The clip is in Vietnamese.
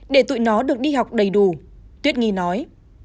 để tụi nó được đi học đầy đủ tuyết nghi nói